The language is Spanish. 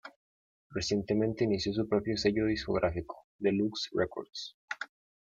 Recientemente inició su propio sello discográfico, Deluxe Records.